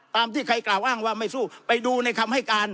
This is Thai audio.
ที่ใครกล่าวอ้างว่าไม่สู้ไปดูในคำให้การ